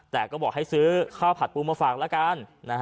แต่ก็บอกให้ซื้อข้าวผัดปูมาฝากละกัน